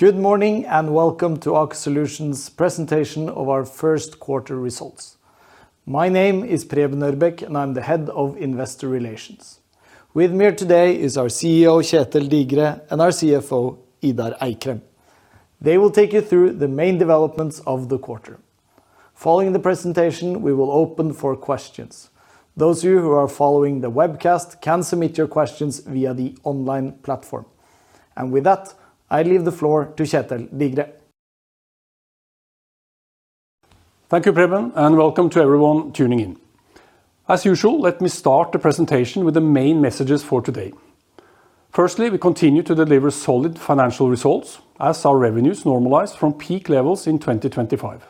Good morning, and welcome to Aker Solutions presentation of our first quarter results. My name is Preben Ørbeck, and I am the Head of Investor Relations. With me today is our CEO, Kjetel Digre, and our CFO, Idar Eikrem. They will take you through the main developments of the quarter. Following the presentation, we will open for questions. Those of you who are following the webcast can submit your questions via the online platform. With that, I leave the floor to Kjetel Digre. Thank you, Preben, and welcome to everyone tuning in. As usual, let me start the presentation with the main messages for today. Firstly, we continue to deliver solid financial results as our revenues normalize from peak levels in 2025.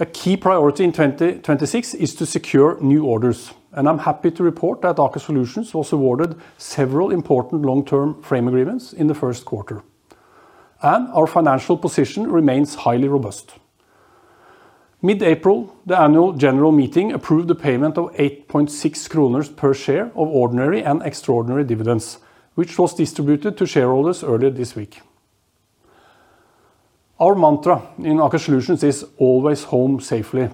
A key priority in 2026 is to secure new orders, and I'm happy to report that Aker Solutions was awarded several important long-term frame agreements in the first quarter, and our financial position remains highly robust. Mid-April, the annual general meeting approved the payment of 8.6 kroner per share of ordinary and extraordinary dividends, which was distributed to shareholders earlier this week. Our mantra in Aker Solutions is always home safely.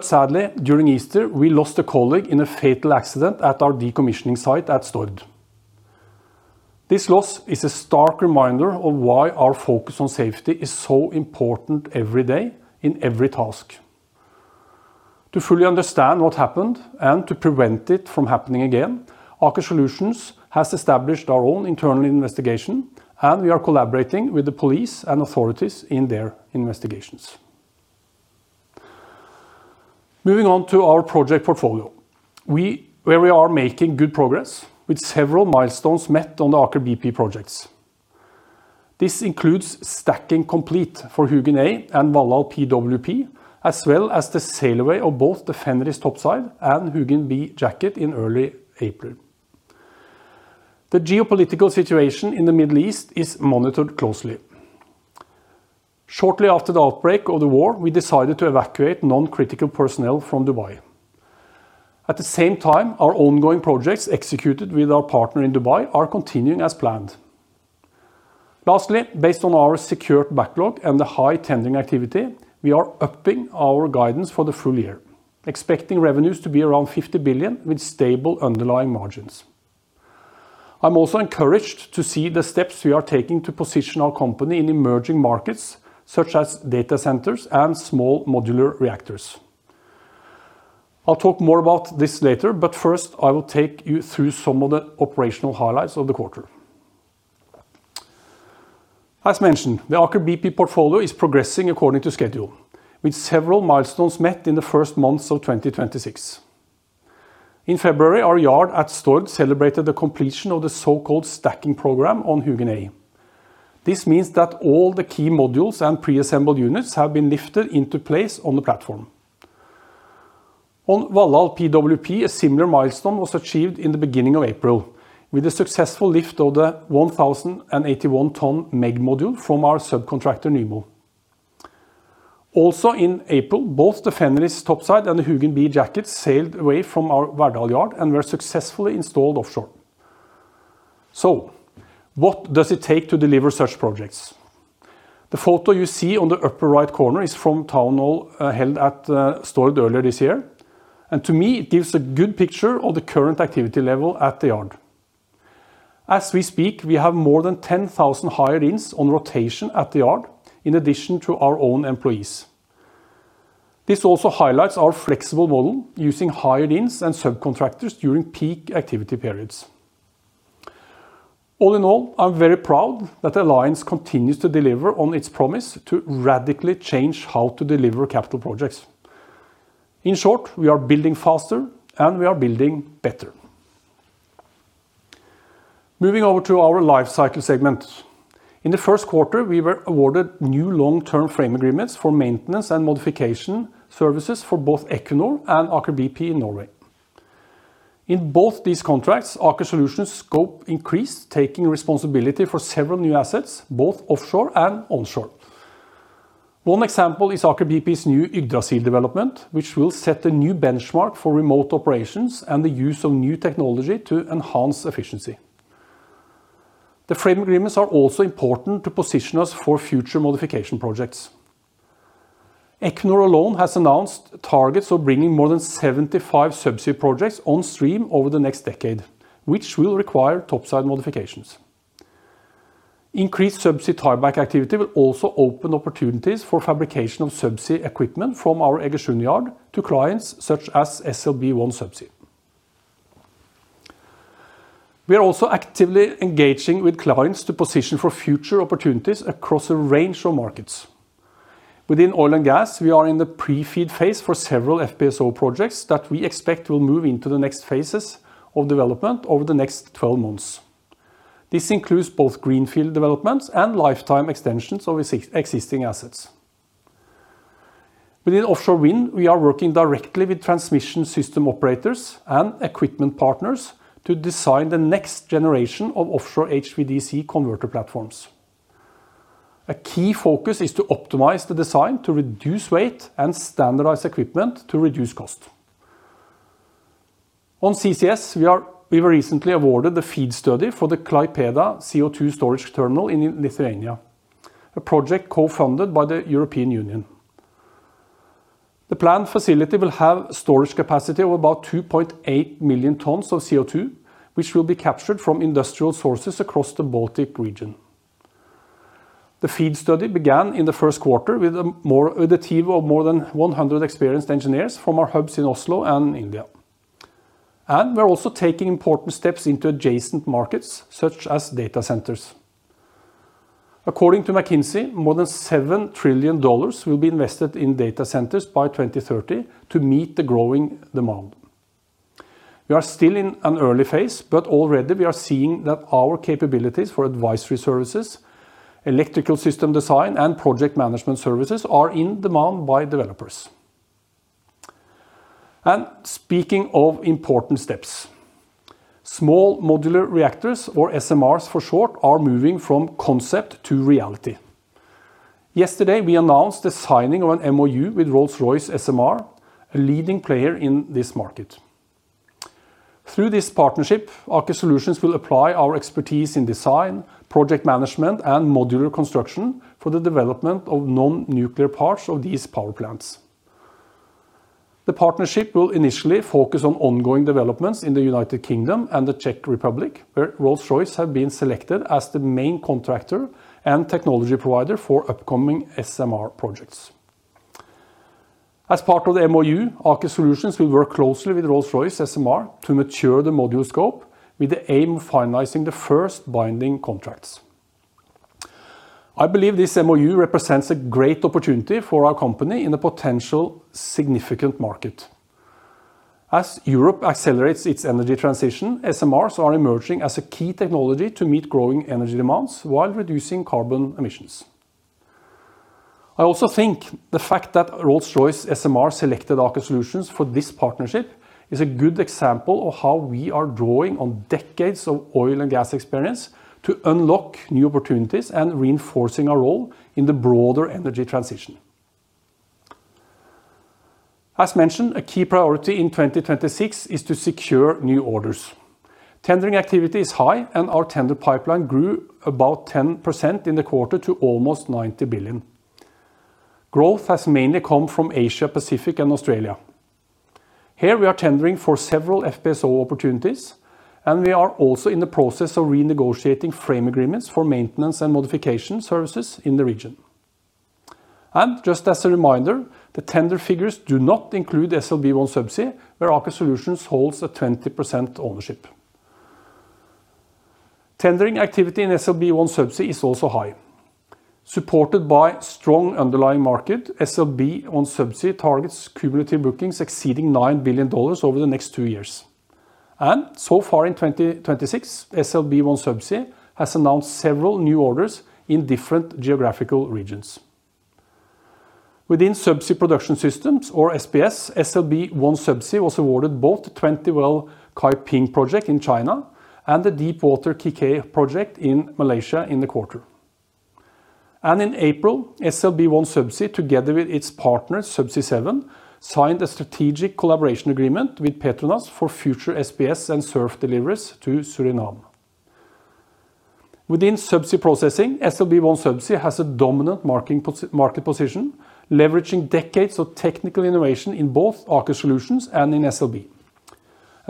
Sadly, during Easter, we lost a colleague in a fatal accident at our decommissioning site at Stord. This loss is a stark reminder of why our focus on safety is so important every day in every task. To fully understand what happened and to prevent it from happening again, Aker Solutions has established our own internal investigation, and we are collaborating with the police and authorities in their investigations. Moving on to our project portfolio, where we are making good progress with several milestones met on the Aker BP projects. This includes stacking complete for Huginn A and Valhall PWP, as well as the sail away of both the Fenris topside and Huginn B jacket in early April. The geopolitical situation in the Middle East is monitored closely. Shortly after the outbreak of the war, we decided to evacuate non-critical personnel from Dubai. At the same time, our ongoing projects executed with our partner in Dubai are continuing as planned. Lastly, based on our secured backlog and the high tendering activity, we are upping our guidance for the full year, expecting revenues to be around 50 billion with stable underlying margins. I'm also encouraged to see the steps we are taking to position our company in emerging markets, such as data centers and small modular reactors. I'll talk more about this later. First, I will take you through some of the operational highlights of the quarter. As mentioned, the Aker BP portfolio is progressing according to schedule, with several milestones met in the first months of 2026. In February, our yard at Stord celebrated the completion of the so-called stacking program on Huginn A. This means that all the key modules and preassembled units have been lifted into place on the platform. On Valhall PWP, a similar milestone was achieved in the beginning of April with a successful lift of the 1,081 ton MEG module from our subcontractor, Nymo. In April, both the Fenris topside and the Huginn B jackets sailed away from our Verdal yard and were successfully installed offshore. What does it take to deliver such projects? The photo you see on the upper right corner is from town hall held at Stord earlier this year. To me, it gives a good picture of the current activity level at the yard. As we speak, we have more than 10,000 hire ins on rotation at the yard in addition to our own employees. This also highlights our flexible model using hire ins and subcontractors during peak activity periods. All in all, I'm very proud that Alliance continues to deliver on its promise to radically change how to deliver capital projects. In short, we are building faster, and we are building better. Moving over to our Life Cycle segment. In the first quarter, we were awarded new long-term frame agreements for maintenance and modification services for both Equinor and Aker BP in Norway. In both these contracts, Aker Solutions scope increased, taking responsibility for several new assets, both offshore and onshore. One example is Aker BP's new Yggdrasil development, which will set a new benchmark for remote operations and the use of new technology to enhance efficiency. The frame agreements are also important to position us for future modification projects. Equinor alone has announced targets of bringing more than 75 subsea projects on stream over the next decade, which will require topside modifications. Increased subsea tieback activity will also open opportunities for fabrication of subsea equipment from our Egersund yard to clients such as SLB OneSubsea. We are also actively engaging with clients to position for future opportunities across a range of markets. Within oil and gas, we are in the pre-FEED phase for several FPSO projects that we expect will move into the next phases of development over the next 12 months. This includes both greenfield developments and lifetime extensions of existing assets. Within offshore wind, we are working directly with transmission system operators and equipment partners to design the next generation of offshore HVDC converter platforms. A key focus is to optimize the design to reduce weight and standardize equipment to reduce cost. On CCS, we were recently awarded the FEED study for the Klaipeda CO2 storage terminal in Lithuania. A project co-funded by the European Union. The planned facility will have storage capacity of about 2.8 million tons of CO2, which will be captured from industrial sources across the Baltic region. The FEED study began in the first quarter with a team of more than 100 experienced engineers from our hubs in Oslo and India. We are also taking important steps into adjacent markets, such as data centers. According to McKinsey, more than $7 trillion will be invested in data centers by 2030 to meet the growing demand. We are still in an early phase, already we are seeing that our capabilities for advisory services, electrical system design, and project management services are in demand by developers. Speaking of important steps, small modular reactors, or SMRs for short, are moving from concept to reality. Yesterday, we announced the signing of an MOU with Rolls-Royce SMR, a leading player in this market. Through this partnership, Aker Solutions will apply our expertise in design, project management, and modular construction for the development of non-nuclear parts of these power plants. The partnership will initially focus on ongoing developments in the U.K. and the Czech Republic, where Rolls-Royce have been selected as the main contractor and technology provider for upcoming SMR projects. As part of the MOU, Aker Solutions will work closely with Rolls-Royce SMR to mature the modular scope with the aim of finalizing the first binding contracts. I believe this MOU represents a great opportunity for our company in a potential significant market. As Europe accelerates its energy transition, SMRs are emerging as a key technology to meet growing energy demands while reducing carbon emissions. I also think the fact that Rolls-Royce SMR selected Aker Solutions for this partnership is a good example of how we are drawing on decades of oil and gas experience to unlock new opportunities and reinforcing our role in the broader energy transition. As mentioned, a key priority in 2026 is to secure new orders. Tendering activity is high, and our tender pipeline grew about 10% in the quarter to almost 90 billion. Growth has mainly come from Asia, Pacific, and Australia. Here, we are tendering for several FPSO opportunities, and we are also in the process of renegotiating frame agreements for maintenance and modification services in the region. Just as a reminder, the tender figures do not include the SLB OneSubsea, where Aker Solutions holds a 20% ownership. Tendering activity in SLB OneSubsea is also high. Supported by strong underlying market, SLB OneSubsea targets cumulative bookings exceeding $9 billion over the next two years. So far in 2026, SLB OneSubsea has announced several new orders in different geographical regions. Within Subsea Production Systems, or SPS, SLB OneSubsea was awarded both the 20 well Kaiping project in China and the deep water Kikeh project in Malaysia in the quarter. In April, SLB OneSubsea, together with its partner, Subsea7, signed a strategic collaboration agreement with PETRONAS for future SPS and SURF deliveries to Suriname. Within Subsea Processing, SLB OneSubsea has a dominant market position, leveraging decades of technical innovation in both Aker Solutions and in SLB.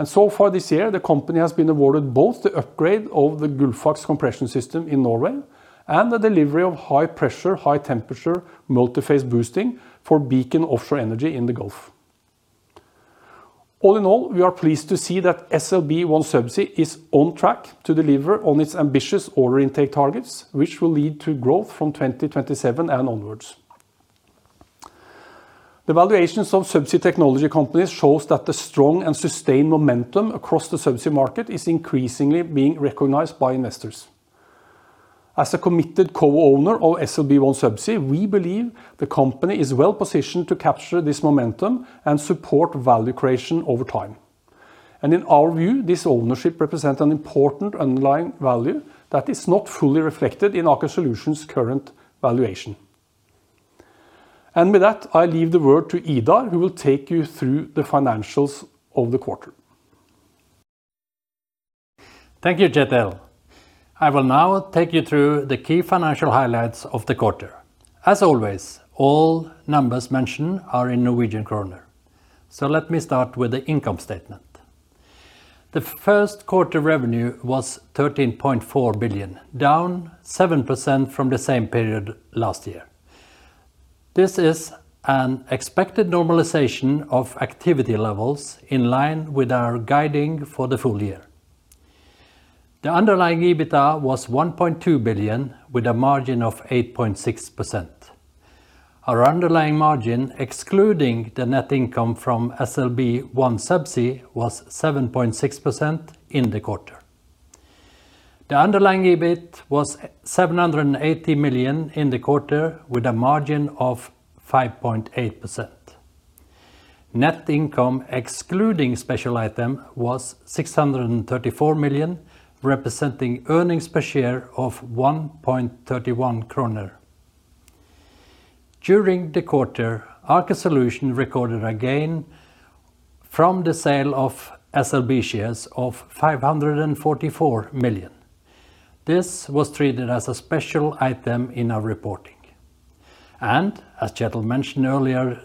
So far this year, the company has been awarded both the upgrade of the Gullfaks compression system in Norway and the delivery of high pressure, high temperature multiphase boosting for Beacon Offshore Energy in the Gulf. All in all, we are pleased to see that SLB OneSubsea is on track to deliver on its ambitious order intake targets, which will lead to growth from 2027 and onwards. The valuations of Subsea technology companies shows that the strong and sustained momentum across the Subsea market is increasingly being recognized by investors. As a committed co-owner of SLB OneSubsea, we believe the company is well-positioned to capture this momentum and support value creation over time. In our view, this ownership represent an important underlying value that is not fully reflected in Aker Solutions' current valuation. With that, I leave the word to Idar, who will take you through the financials of the quarter. Thank you, Kjetel. I will now take you through the key financial highlights of the quarter. As always, all numbers mentioned are in Norwegian kroner. Let me start with the income statement. The first quarter revenue was 13.4 billion, down 7% from the same period last year. This is an expected normalization of activity levels in line with our guiding for the full year. The underlying EBITA was 1.2 billion with a margin of 8.6%. Our underlying margin, excluding the net income from SLB OneSubsea, was 7.6% in the quarter. The underlying EBIT was 780 million in the quarter with a margin of 5.8%. Net income, excluding special item, was 634 million, representing earnings per share of 1.31 kroner. During the quarter, Aker Solutions recorded a gain from the sale of SLB shares of 544 million. This was treated as a special item in our reporting. As Kjetel mentioned earlier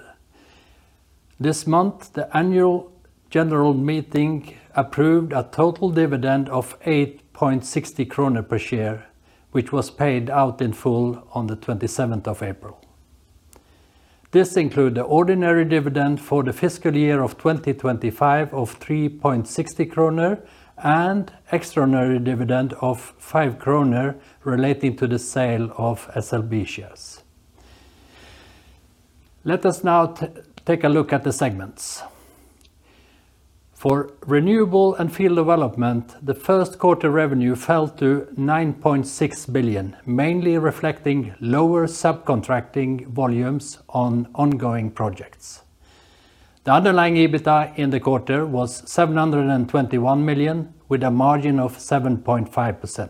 this month, the annual general meeting approved a total dividend of 8.60 krone per share, which was paid out in full on the 27th of April. This include the ordinary dividend for the fiscal year of 2025 of 3.60 kroner and extraordinary dividend of 5 kroner relating to the sale of SLB shares. Let us now take a look at the segments. For Renewables and Field Development, the first quarter revenue fell to 9.6 billion, mainly reflecting lower subcontracting volumes on ongoing projects. The underlying EBITDA in the quarter was 721 million with a margin of 7.5%.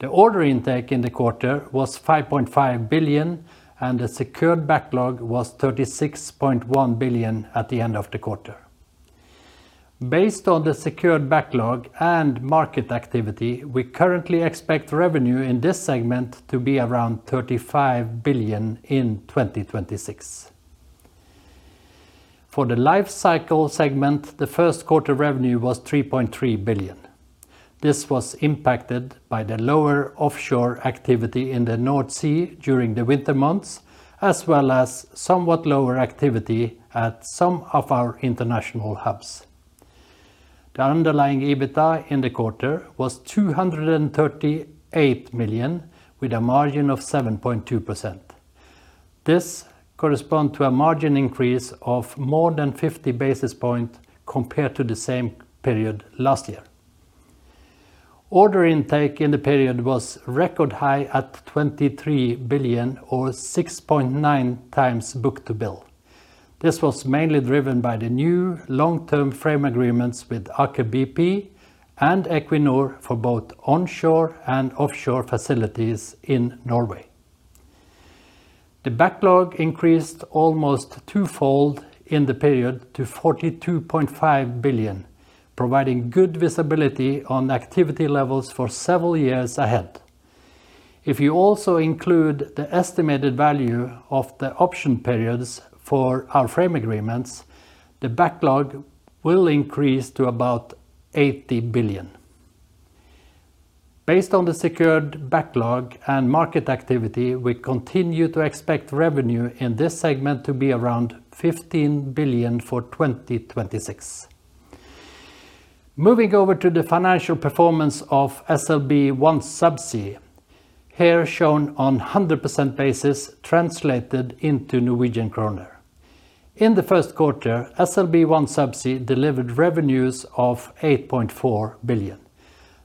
The order intake in the quarter was 5.5 billion, and the secured backlog was 36.1 billion at the end of the quarter. Based on the secured backlog and market activity, we currently expect revenue in this segment to be around 35 billion in 2026. For the Lifecycle segment, the first quarter revenue was 3.3 billion. This was impacted by the lower offshore activity in the North Sea during the winter months, as well as somewhat lower activity at some of our international hubs. The underlying EBITDA in the quarter was 238 million with a margin of 7.2%. This correspond to a margin increase of more than 50 basis point compared to the same period last year. Order intake in the period was record high at 23 billion or 6.9x book-to-bill. This was mainly driven by the new long-term frame agreements with Aker BP and Equinor for both onshore and offshore facilities in Norway. The backlog increased almost twofold in the period to 42.5 billion, providing good visibility on activity levels for several years ahead. If you also include the estimated value of the option periods for our frame agreements, the backlog will increase to about 80 billion. Based on the secured backlog and market activity, we continue to expect revenue in this segment to be around 15 billion for 2026. Moving over to the financial performance of SLB OneSubsea, here shown on 100% basis translated into Norwegian kroner. In the first quarter, SLB OneSubsea delivered revenues of 8.4 billion.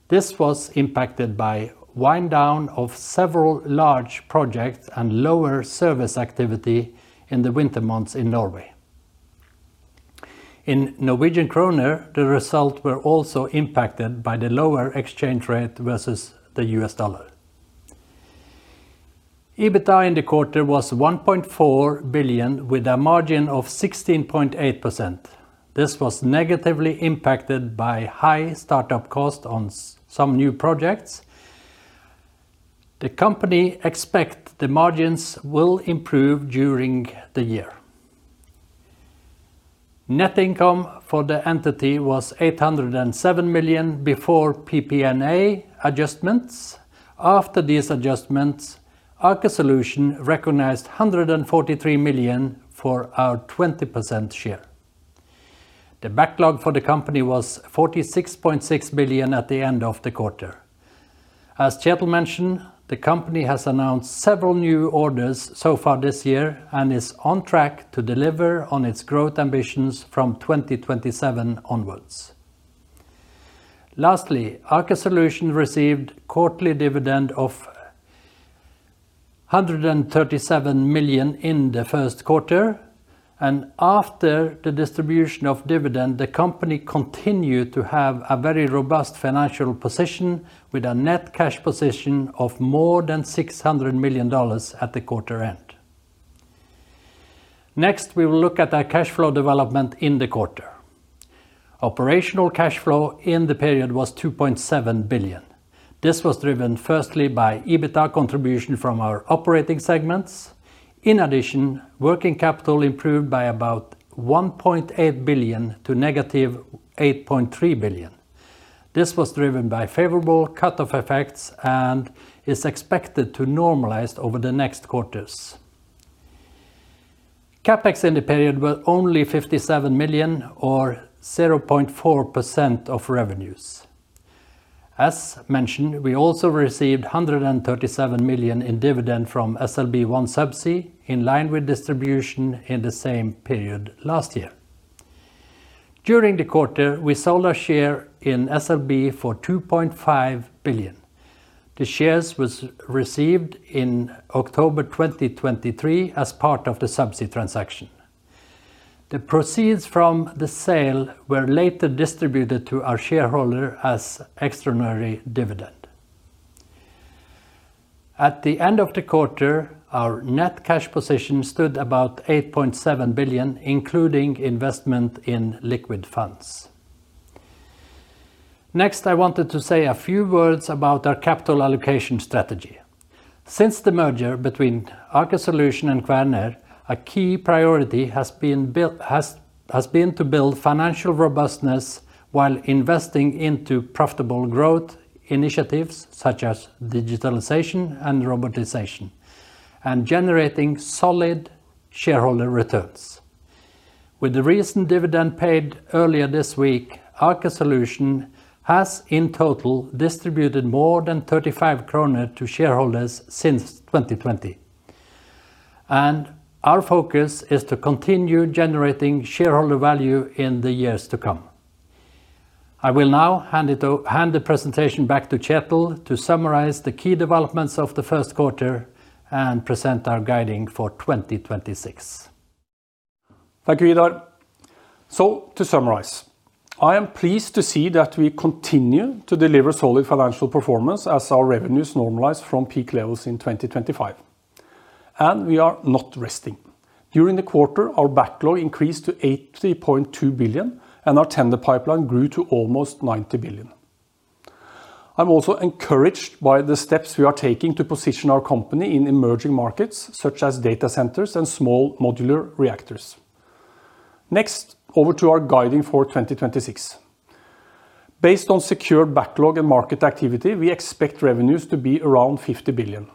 This was impacted by wind down of several large projects and lower service activity in the winter months in Norway. In Norwegian kroner, the result were also impacted by the lower exchange rate versus the U.S. dollar. EBITDA in the quarter was 1.4 billion with a margin of 16.8%. This was negatively impacted by high startup cost on some new projects. The company expect the margins will improve during the year. Net income for the entity was 807 million before PPA adjustments. After these adjustments, Aker Solutions recognized 143 million for our 20% share. The backlog for the company was 46.6 billion at the end of the quarter. As Kjetel mentioned, the company has announced several new orders so far this year and is on track to deliver on its growth ambitions from 2027 onwards. Aker Solutions received quarterly dividend of 137 million in the first quarter. After the distribution of dividend, the company continued to have a very robust financial position with a net cash position of more than $600 million at the quarter end. We will look at our cash flow development in the quarter. Operational cash flow in the period was 2.7 billion. This was driven firstly by EBITDA contribution from our operating segments. Working capital improved by about 1.8 billion to negative 8.3 billion. This was driven by favorable cut-off effects and is expected to normalize over the next quarters. CapEx in the period was only 57 million or 0.4% of revenues. As mentioned, we also received 137 million in dividend from SLB OneSubsea, in line with distribution in the same period last year. During the quarter, we sold our share in SLB for 2.5 billion. The shares was received in October 2023 as part of the Subsea transaction. The proceeds from the sale were later distributed to our shareholder as extraordinary dividend. At the end of the quarter, our net cash position stood about 8.7 billion, including investment in liquid funds. Next, I wanted to say a few words about our capital allocation strategy. Since the merger between Aker Solutions and Kværner, a key priority has been to build financial robustness while investing into profitable growth initiatives, such as digitalization and robotization, and generating solid shareholder returns. With the recent dividend paid earlier this week, Aker Solutions has in total distributed more than 35 kroner to shareholders since 2020. Our focus is to continue generating shareholder value in the years to come. I will now hand the presentation back to Kjetel to summarize the key developments of the first quarter and present our guiding for 2026. Thank you, Idar. To summarize, I am pleased to see that we continue to deliver solid financial performance as our revenues normalize from peak levels in 2025. We are not resting. During the quarter, our backlog increased to 80.2 billion, and our tender pipeline grew to almost 90 billion. I am also encouraged by the steps we are taking to position our company in emerging markets such as data centers and small modular reactors. Next, over to our guiding for 2026. Based on secure backlog and market activity, we expect revenues to be around 50 billion.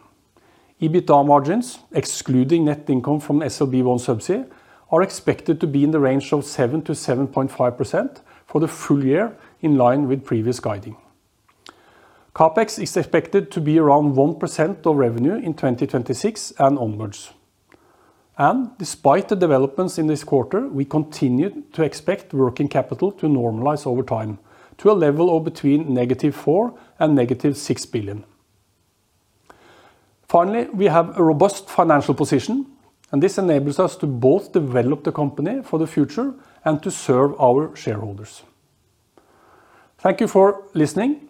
EBITA margins, excluding net income from SLB OneSubsea, are expected to be in the range of 7%-7.5% for the full year, in line with previous guiding. CapEx is expected to be around 1% of revenue in 2026 and onwards. Despite the developments in this quarter, we continue to expect working capital to normalize over time to a level of between -4 billion and -6 billion. Finally, we have a robust financial position. This enables us to both develop the company for the future and to serve our shareholders. Thank you for listening.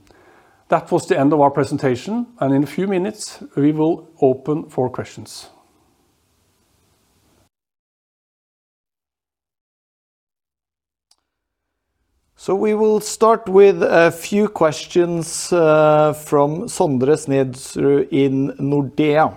That was the end of our presentation. In a few minutes, we will open for questions. We will start with a few questions from Sindre Smedgård through in Nordea,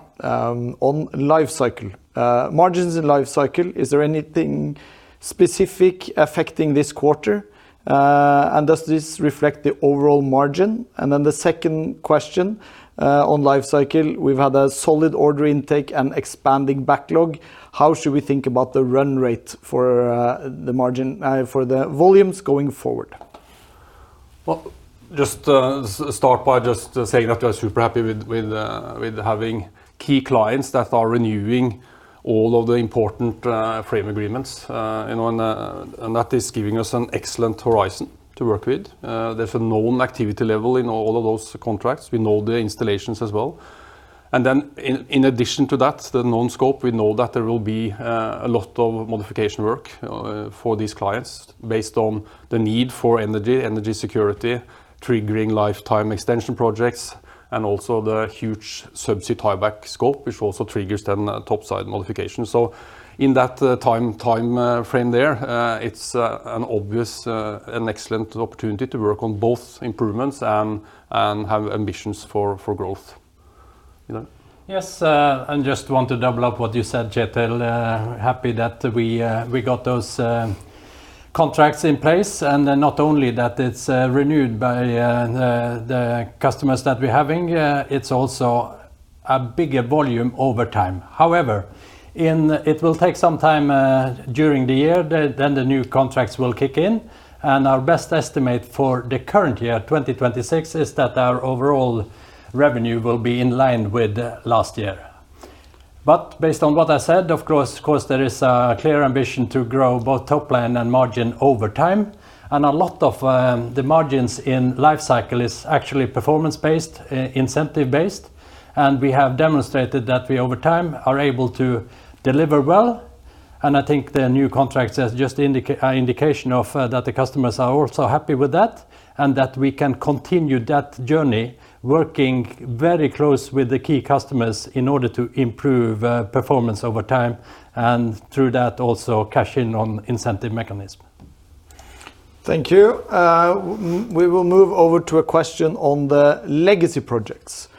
on Life Cycle. Margins in Life Cycle, is there anything specific affecting this quarter? Does this reflect the overall margin? The second question on Life Cycle, we've had a solid order intake and expanding backlog. How should we think about the run rate for the margin for the volumes going forward? Well, just start by just saying that we are super happy with having key clients that are renewing all of the important frame agreements. You know, that is giving us an excellent horizon to work with. There's a known activity level in all of those contracts. We know the installations as well. Then in addition to that, the known scope, we know that there will be a lot of modification work for these clients based on the need for energy security, triggering lifetime extension projects, and also the huge subsea tieback scope, which also triggers then topside modification. In that frame there, it's an excellent opportunity to work on both improvements and have ambitions for growth. You know? Yes, and just want to double up what you said, Kjetel. Happy that we got those contracts in place and not only that it's renewed by the customers that we're having, it's also a bigger volume over time. However, it will take some time during the year, then the new contracts will kick in. Our best estimate for the current year, 2026, is that our overall revenue will be in line with last year. Based on what I said, of course there is a clear ambition to grow both top line and margin over time and a lot of the margins in Life Cycle is actually performance-based, incentive-based. We have demonstrated that we over time are able to deliver well, and I think the new contracts is just a indication of that the customers are also happy with that and that we can continue that journey, working very close with the key customers in order to improve performance over time and through that also cash in on incentive mechanism. Thank you. We will move over to a question on the legacy projects.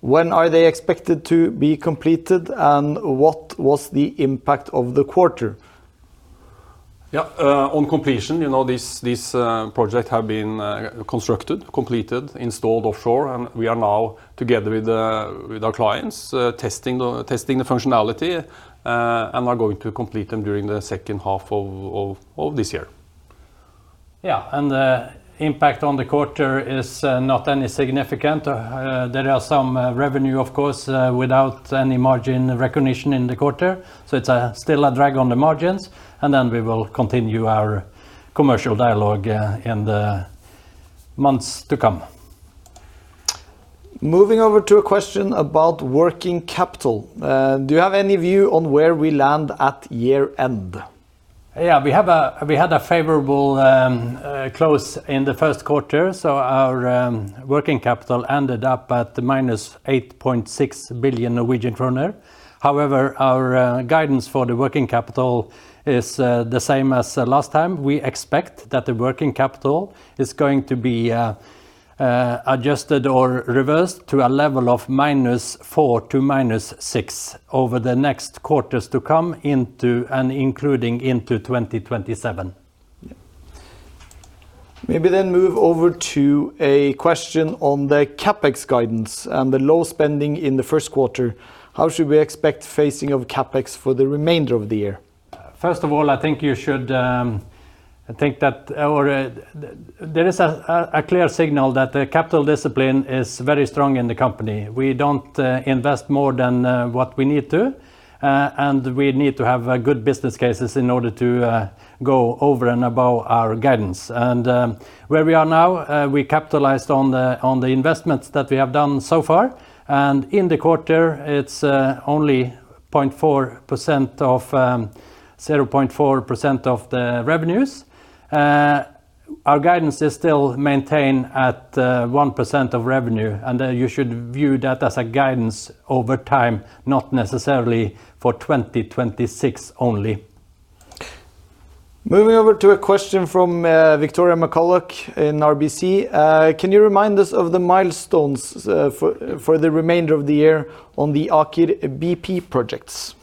When are they expected to be completed, and what was the impact of the quarter? On completion, you know, this project have been constructed, completed, installed offshore, and we are now together with our clients testing the functionality, and are going to complete them during the second half of this year. Yeah, the impact on the quarter is not any significant. There are some revenue of course, without any margin recognition in the quarter. It's still a drag on the margins. We will continue our commercial dialogue in the months to come. Moving over to a question about working capital. Do you have any view on where we land at year-end? We had a favorable close in the first quarter so our working capital ended up at minus 8.6 billion Norwegian kroner. Our guidance for the working capital is the same as last time. We expect that the working capital is going to be adjusted or reversed to a level of minus 4 billion to minus 6 billion over the next quarters to come into and including into 2027. Yeah. Maybe move over to a question on the CapEx guidance and the low spending in the first quarter. How should we expect facing of CapEx for the remainder of the year? First of all, there is a clear signal that the capital discipline is very strong in the company. We don't invest more than what we need to. We need to have good business cases in order to go over and above our guidance. Where we are now, we capitalized on the investments that we have done so far. In the quarter it's only 0.4% of the revenues. Our guidance is still maintained at 1% of revenue and you should view that as a guidance over time, not necessarily for 2026 only. Moving over to a question from Victoria McCulloch in RBC. Can you remind us of the milestones for the remainder of the year on the Aker BP projects?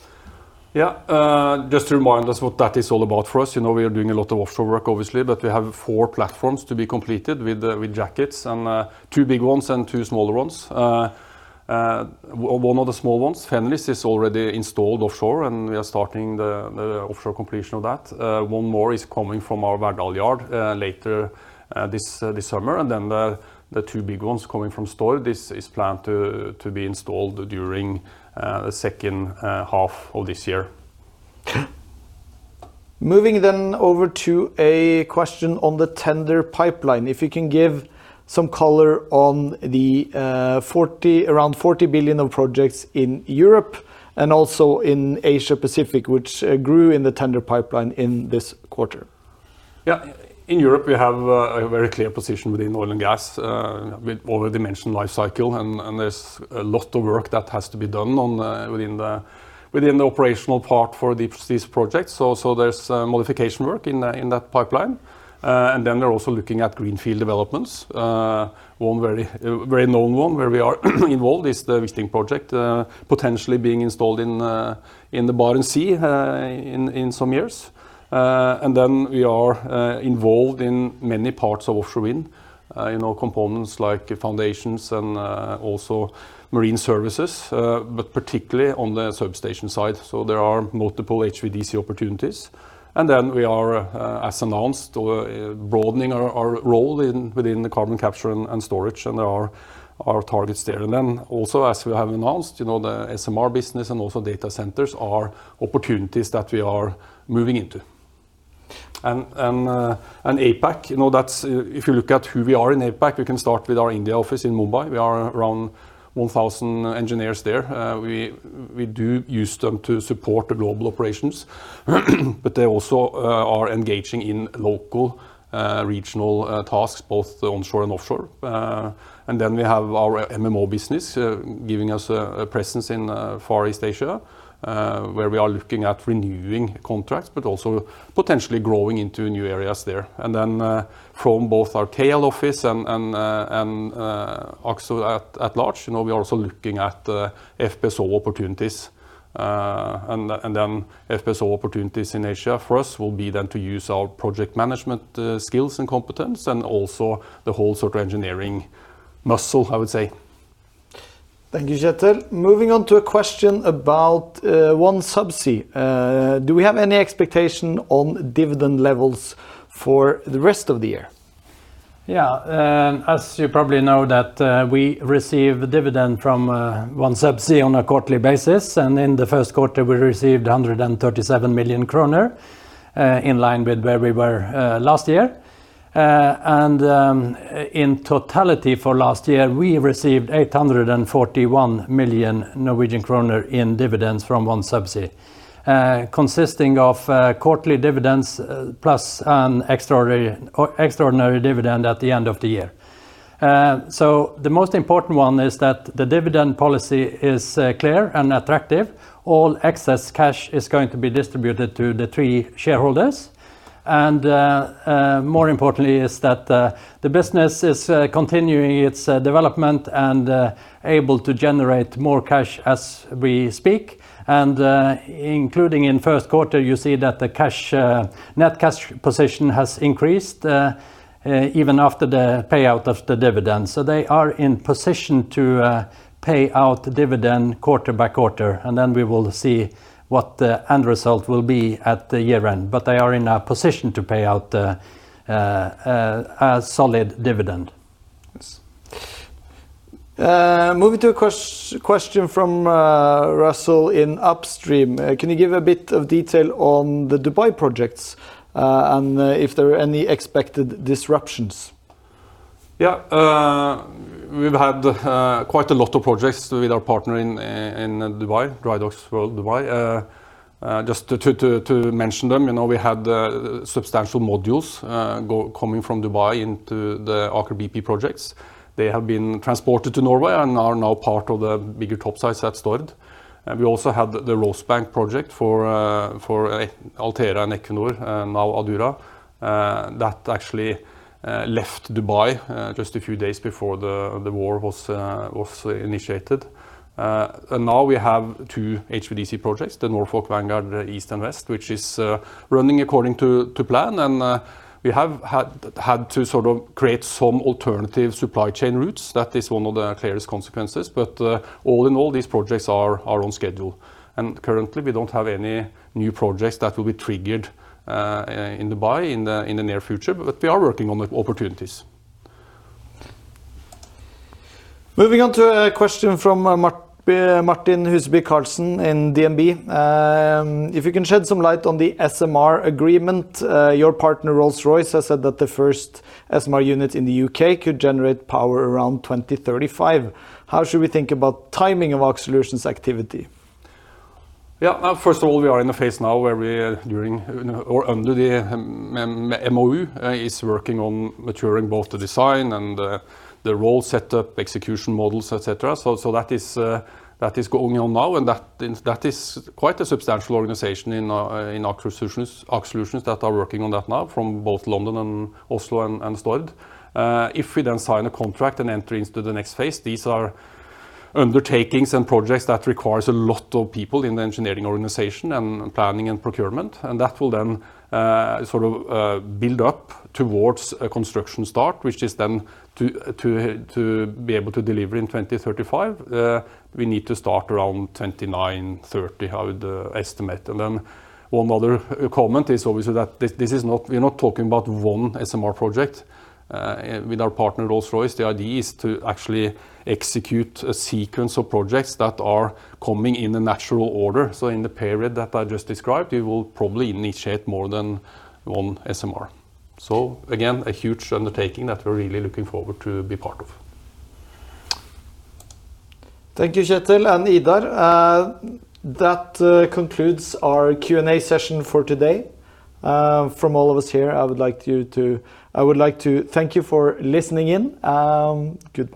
Yeah, just to remind us what that is all about for us, you know, we are doing a lot of offshore work obviously, but we have four platforms to be completed with jackets and, two big ones and two smaller ones. One of the small ones, Fenris, is already installed offshore and we are starting the offshore completion of that. One more is coming from our Verdal yard later this summer. The two big ones coming from Stord, this is planned to be installed during the second half of this year. Moving over to a question on the tender pipeline. If you can give some color on the 40 billion, around 40 billion of projects in Europe and also in Asia-Pacific, which grew in the tender pipeline in this quarter. Yeah. In Europe we have a very clear position within oil and gas, with already mentioned Life Cycle, and there's a lot of work that has to be done within the operational part for these projects. There's modification work in that pipeline. They're also looking at greenfield developments. One very known one where we are involved is the Wisting project, potentially being installed in the Barents Sea in some years. We are involved in many parts of offshore wind, you know, components like foundations and also marine services, but particularly on the substation side. There are multiple HVDC opportunities. We are, as announced, broadening our role within the carbon capture and storage and there are targets there. Also as we have announced, you know, the SMR business and also data centers are opportunities that we are moving into. APAC, you know, that's, if you look at who we are in APAC, we can start with our India office in Mumbai. We are around 1,000 engineers there. We do use them to support the global operations. They also are engaging in local, regional tasks both onshore and offshore. We have our MMO business giving us a presence in Far East Asia, where we are looking at renewing contracts, but also potentially growing into new areas there. From both our head office and also at large, you know, we are also looking at FPSO opportunities. FPSO opportunities in Asia for us will be then to use our project management skills and competence and also the whole sort of engineering muscle, I would say. Thank you, Kjetel. Moving on to a question about OneSubsea. Do we have any expectation on dividend levels for the rest of the year? Yeah. As you probably know that, we receive a dividend from OneSubsea on a quarterly basis, and in the first quarter we received 137 million kroner, in line with where we were last year. In totality for last year, we received 841 million Norwegian kroner in dividends from OneSubsea, consisting of quarterly dividends plus an extraordinary dividend at the end of the year. The most important one is that the dividend policy is clear and attractive. All excess cash is going to be distributed to the three shareholders. More importantly is that the business is continuing its development and able to generate more cash as we speak. Including in first quarter, you see that the cash, net cash position has increased, even after the payout of the dividend. They are in position to pay out dividend quarter by quarter, and then we will see what the end result will be at the year-end. They are in a position to pay out a solid dividend. Yes. Moving to a question from Russell in Upstream. Can you give a bit of detail on the Dubai projects and if there are any expected disruptions? Yeah. We've had quite a lot of projects with our partner in Dubai, Drydocks World Dubai. Just to mention them, you know, we had substantial modules coming from Dubai into the Aker BP projects. They have been transported to Norway and are now part of the bigger topsides at Stord. We also had the Rosebank project for Altera and Equinor, and now Adura. That actually left Dubai just a few days before the war was initiated. Now we have two HVDC projects, the Norfolk Vanguard East and West, which is running according to plan. We have had to sort of create some alternative supply chain routes, that is one of the clearest consequences. All in all these projects are on schedule. Currently we don't have any new projects that will be triggered in Dubai in the near future. We are working on the opportunities. Moving on to a question from Martin Huseby Karlsen in DNB. If you can shed some light on the SMR agreement, your partner Rolls-Royce has said that the first SMR unit in the U.K. could generate power around 2035. How should we think about timing of Aker Solutions activity? First of all, we are in a phase now where we are during or under the MoU, is working on maturing both the design and the role setup, execution models, etc. That is going on now and that is quite a substantial organization in Aker Solutions that are working on that now from both London and Oslo and Stord. If we then sign a contract and enter into the next phase, these are undertakings and projects that requires a lot of people in the engineering organization and planning and procurement. That will then sort of build up towards a construction start, which is then to be able to deliver in 2035, we need to start around 2029, 2030, I would estimate. One other comment is obviously that we're not talking about one SMR project with our partner Rolls-Royce. The idea is to actually execute a sequence of projects that are coming in a natural order. In the period that I just described, we will probably initiate more than one SMR. Again, a huge undertaking that we're really looking forward to be part of. Thank you, Kjetel and Idar. That concludes our Q&A session for today. From all of us here, I would like to thank you for listening in.